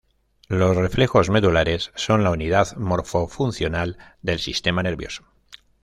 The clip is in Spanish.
Los reflejos medulares son la unidad morfo-funcional del sistema nervioso.